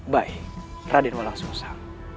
baik raden walang susang